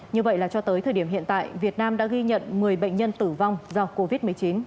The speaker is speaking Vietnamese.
như vậy là cho tới thời điểm hiện tại việt nam đã ghi nhận một mươi bệnh nhân tử vong do covid một mươi chín